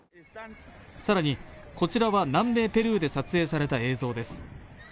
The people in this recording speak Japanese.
更に、こちらは南米ペルーで撮影された映像です。